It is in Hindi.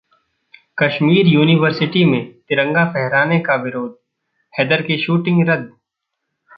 कश्मीर यूनिवर्सिटी में तिरंगा फहराने का विरोध, हैदर की शूटिंग रद्द